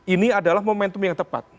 ini adalah momentum yang tepat